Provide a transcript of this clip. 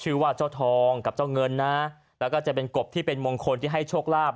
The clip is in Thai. ชื่อว่าเจ้าทองกับเจ้าเงินนะแล้วก็จะเป็นกบที่เป็นมงคลที่ให้โชคลาภ